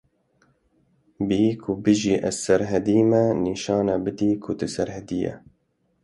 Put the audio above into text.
Bêyî ku bêjî ez Serhedî me nîşan bidî ku tu Serhedî yî